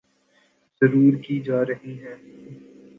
ضرور کی جارہی ہیں